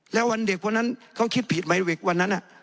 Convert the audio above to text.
แล้ววันเด็กวันนั้นเขาคิดผิดไหมเด็กวันนั้น